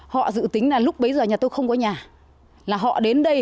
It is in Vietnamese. họ dự tính là lúc bấy giờ nhà tôi không có nhà